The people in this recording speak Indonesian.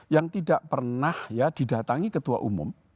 yang tidak pernah ya didatangi ketua umum